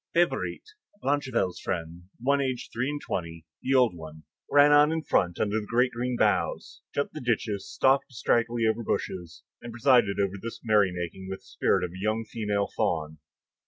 Favourite, Blachevelle's friend, the one aged three and twenty, the old one, ran on in front under the great green boughs, jumped the ditches, stalked distractedly over bushes, and presided over this merry making with the spirit of a young female faun.